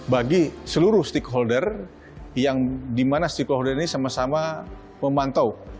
bagi seluruh stakeholder yang dimana stakeholder ini sama sama memantau